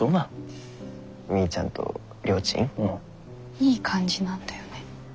いい感じなんだよね？